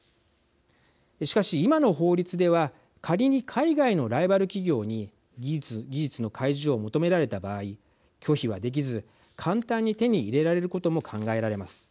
しかし、今の法律では仮に海外のライバル企業に技術の開示を求められた場合拒否はできず、簡単に手に入れられることも考えられます。